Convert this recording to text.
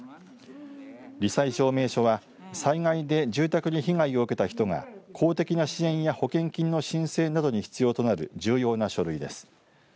り災証明書は災害で住宅に被害を受けた人が公的な支援や保険金の申請などに必要となる重要な書類です。